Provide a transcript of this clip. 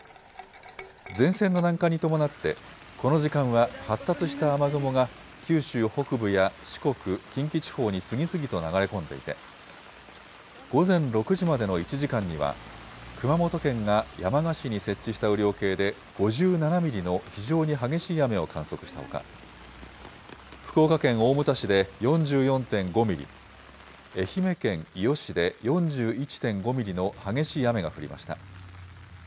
前線の南下に伴って、この時間は発達した雨雲が九州北部や四国、近畿地方に次々と流れ込んでいて、午前６時までの１時間には、熊本県が山鹿市に設置した雨量計で５７ミリの非常に激しい雨を観測したほか、福岡県大牟田市で４４．５ミリ、愛媛県伊予市で４１．５ミリの激しい雨が降りました。